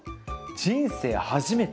人生初めて。